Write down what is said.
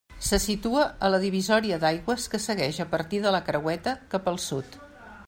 Se situa a la divisòria d'aigües que segueix a partir de la Creueta cap al sud.